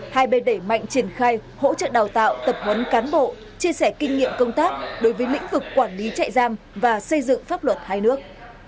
hai bên đẩy mạnh triển khai hỗ trợ đào tạo tập huấn cán bộ chia sẻ kinh nghiệm công tác đối với lĩnh vực quản lý chạy giam và xây dựng pháp luật hai nước